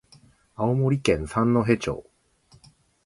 青森県三戸町